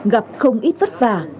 gặp không ít vất vả